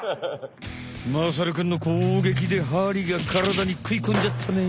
まさるくんのこうげきでハリがからだにくいこんじゃったね。